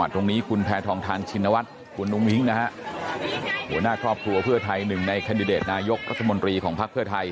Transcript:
ที่ใส่เสื้อสีขาวใช่ไหมคะ